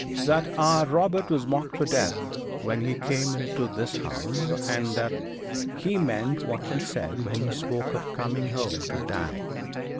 'That our Robert was marked for death when he came into this house, and that he meant what he said when he spoke of coming home to die.